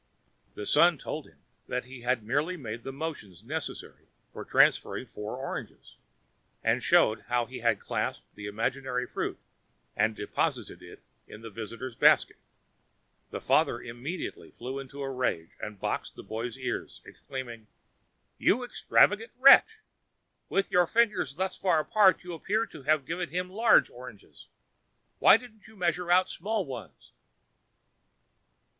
The son told him he had merely made the motions necessary for transferring four oranges, and showed how he had clasped the imaginary fruit and deposited it in the visitor's basket. The father immediately flew into a terrible rage and boxed the boy's ears, exclaiming: "You extravagant wretch! With your fingers thus far apart you appeared to give him large oranges. Why didn't you measure out small ones?"